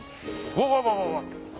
うわわわ！